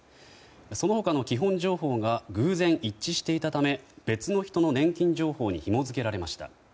その他の基本情報が偶然、一致していたため別の人の年金情報にひも付けられました。